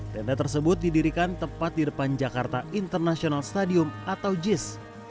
tenda tersebut didirikan tepat di depan jakarta international stadium atau jis